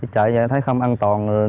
chạy như thế thấy không an toàn